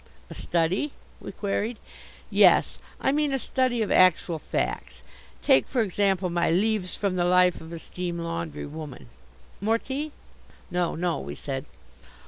"A study?" we queried. "Yes. I mean a study of actual facts. Take, for example, my Leaves from the Life of a Steam Laundrywoman more tea?" "No, no," we said.